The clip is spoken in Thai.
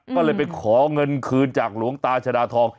ก็เลยไปขอเงินคืนจากหลวงตาชดาทอง